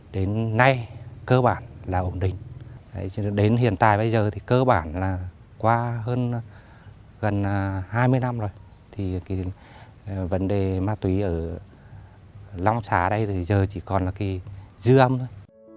đến nay cơ bản là ổn định cho đến hiện tại bây giờ thì cơ bản là qua hơn gần hai mươi năm rồi thì cái vấn đề ma túy ở long xá đây thì giờ chỉ còn là cái dư âm thôi